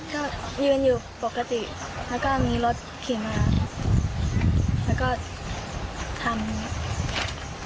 ก็ยืนอยู่ปกติแล้วก็มีรถขี่มาแล้วก็ทำ